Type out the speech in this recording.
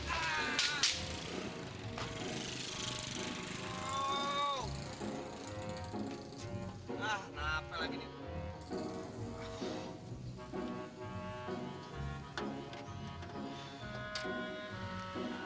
ah kenapa lagi nih